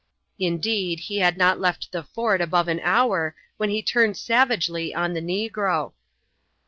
Indeed, he had not left the fort above an hour when he turned savagely on the negro.